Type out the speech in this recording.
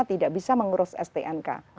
tidak bisa mengurus stnk